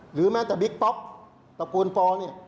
หรือแม้แต่บิ๊กป็อกตระกูลโพร